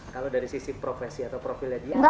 kalau dari sisi profesional